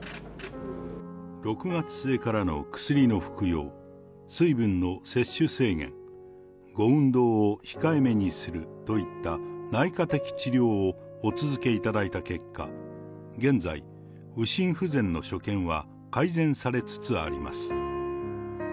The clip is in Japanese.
６月末からの薬の服用、水分の摂取制限、ご運動を控えめにするといった内科的治療をお続けいただいた結果、現在、右心不全の所見は改善されつつあります。